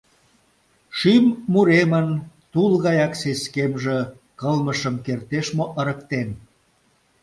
Шӱм муремын тул гаяк сескемже кылмышым кертеш мо ырыктен?..